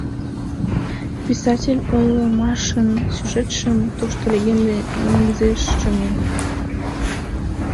Писатель ойлымашын сюжетшым тошто легенде негызеш чоҥен.